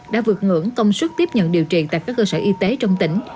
đã vượt ngưỡng công suất tiếp nhận điều trị tại các cơ sở y tế trong tỉnh